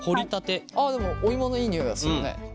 あでもお芋のいい匂いがするね。